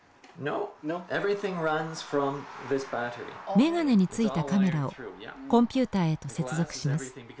眼鏡についたカメラをコンピューターへと接続します。